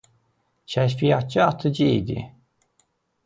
Kəşfiyyatçı atıcı idi.